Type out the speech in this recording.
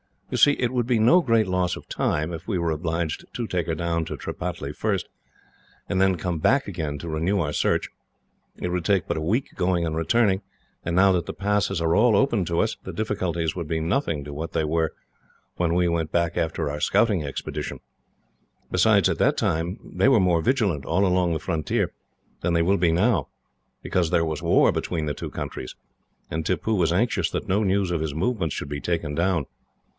You see, it would be no great loss of time, if we were obliged to take her down to Tripataly first, and then come back again to renew our search. It would take but a week, going and returning, and now that the passes are all open to us, the difficulties would be nothing to what they were when we went back after our scouting expedition. Besides, at that time they were more vigilant, all along the frontier, than they will be now, because there was war between the two countries, and Tippoo was anxious that no news of his movements should be taken down.